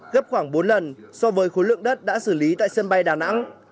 gấp khoảng bốn lần so với khối lượng đất đã xử lý tại sân bay đà nẵng